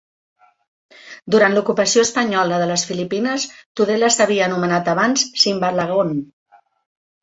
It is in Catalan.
Durant l'ocupació espanyola de les Filipines, Tudela s'havia anomenat abans Simbalagon.